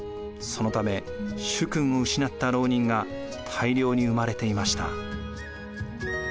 そのため主君を失った牢人が大量に生まれていました。